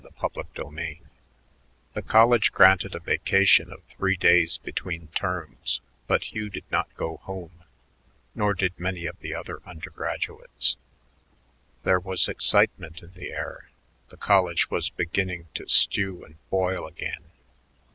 CHAPTER XII The college granted a vacation of three days between terms, but Hugh did not go home, nor did many of the other undergraduates. There was excitement in the air; the college was beginning to stew and boil again.